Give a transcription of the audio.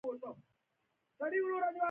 رڼا د ټولو رنګونو اصلي ښکلا ده.